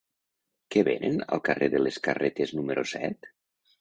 Què venen al carrer de les Carretes número set?